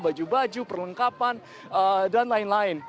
baju baju perlengkapan dan lain lain